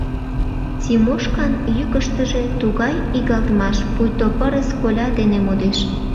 Тимошкан йӱкыштыжӧ тугай игылтмаш, пуйто пырыс коля дене модеш.